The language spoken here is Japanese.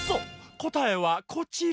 こたえはこちら！